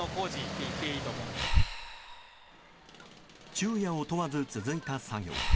昼夜を問わず続いた作業。